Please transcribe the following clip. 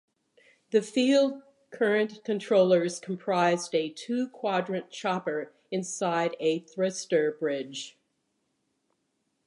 The field current controllers comprised a two quadrant chopper inside a thyristor bridge.